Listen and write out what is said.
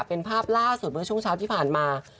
เป็นภาพล่าสุดเมื่อช่วงเช้าที่ผ่านมา